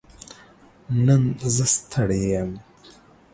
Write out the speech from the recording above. نن زه ستړې يم